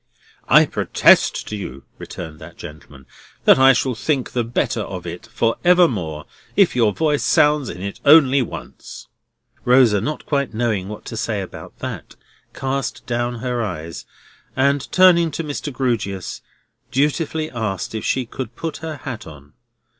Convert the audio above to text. "I protest to you," returned that gentleman, "that I shall think the better of it for evermore, if your voice sounds in it only once." Rosa, not quite knowing what to say about that, cast down her eyes, and turning to Mr. Grewgious, dutifully asked if she should put her hat on?